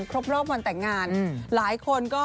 ครบรอบวันแต่งงานหลายคนก็